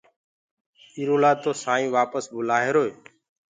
ايٚرو لآ تو سآئينٚ وآپس بلآ هيروئي